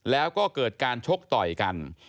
แล้วก็เกิดการชกต่อยกัน